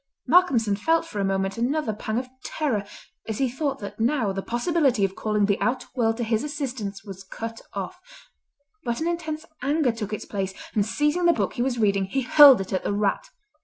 Malcolmson felt for a moment another pang of terror as he thought that now the possibility of calling the outer world to his assistance was cut off, but an intense anger took its place, and seizing the book he was reading he hurled it at the rat.